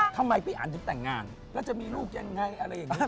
ทำไมพี่อันจะแต่งงานแล้วจะมีลูกอย่างไร